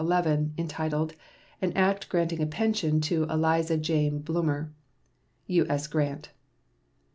11, entitled "An act granting a pension to Eliza Jane Blumer." U.S. GRANT.